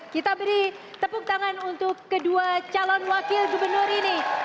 kita beri tepuk tangan untuk kedua calon wakil gubernur ini